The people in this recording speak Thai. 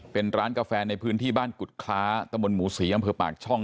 เป็นร้านกาแฟในพื้นที่บ้านกุฎคล้าตะบนหมูศรีอำเภอปากช่อง